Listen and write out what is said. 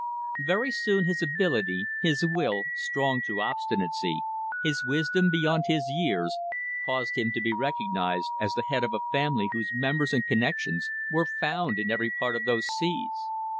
Very soon his ability, his will strong to obstinacy his wisdom beyond his years, caused him to be recognized as the head of a family whose members and connections were found in every part of those seas.